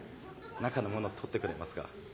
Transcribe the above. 中のもの取ってくれますか？